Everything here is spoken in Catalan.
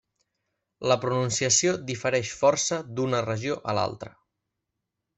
La pronunciació difereix força d'una regió a l'altra.